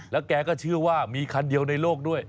แล้วแกก็เชื่อว่ามีคันเดียวในโลกด้วย